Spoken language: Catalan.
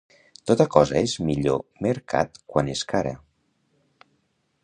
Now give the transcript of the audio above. Tota cosa és millor mercat quan és cara.